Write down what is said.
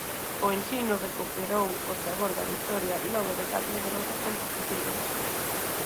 O Ensino recuperou o sabor da vitoria logo de catro derrotas consecutivas.